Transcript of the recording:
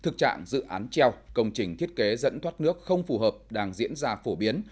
thực trạng dự án treo công trình thiết kế dẫn thoát nước không phù hợp đang diễn ra phổ biến